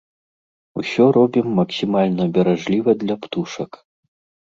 Усё робім максімальна беражліва для птушак.